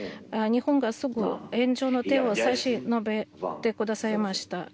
日本がすぐ援助の手を差し伸べてくださいました。